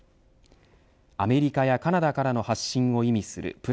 アメリカやカナダからの発信を意味する＋